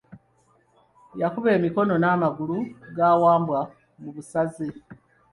Yakuba emikono n'amagulu ga Wambwa mu busaze.